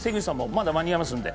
まだ間に合いますので。